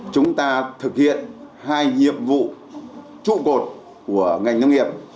chúng ta thực hiện hai nhiệm vụ trụ cột của ngành nông nghiệp